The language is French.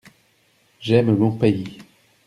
J’aime mon pays.